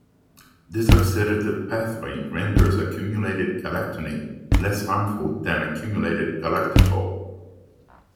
This oxidative pathway renders accumulated galactonate less harmful than accumulated galactitol.